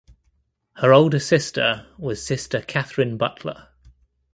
Her older sister was Sister Katherine Butler.